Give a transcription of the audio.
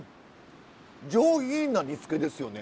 上品な煮つけですよね。